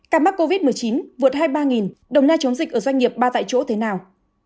ca mắc covid một mươi chín vượt hai mươi ba đồng nai chống dịch ở doanh nghiệp ba tại chỗ thế nào